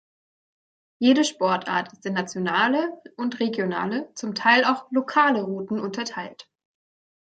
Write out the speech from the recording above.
Jede Sportart ist in nationale und regionale, zum Teil auch lokale Routen unterteilt.